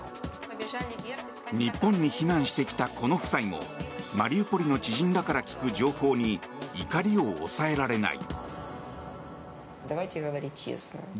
日本に避難してきたこの夫妻もマリウポリの知人らから聞く情報に怒りを抑えられない。